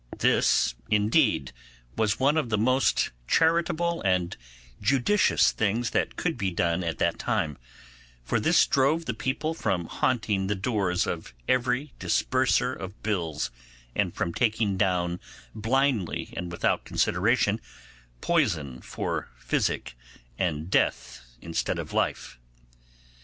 This, indeed, was one of the most charitable and judicious things that could be done at that time, for this drove the people from haunting the doors of every disperser of bills, and from taking down blindly and without consideration poison for physic and death instead of life.